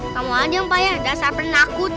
kamu aja yang payah dasar pernah nakut